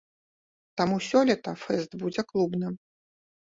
Таму сёлета фэст будзе клубным.